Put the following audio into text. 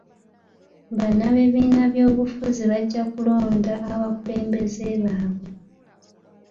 Bannabibiina by'obufuzi bajja kulonda abakulembeze baabwe.